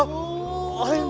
alhamdulillah ya amin